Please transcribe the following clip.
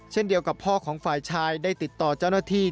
เช่นเดียวกับพ่อของฝ่ายชายได้ติดต่อเจ้าหน้าที่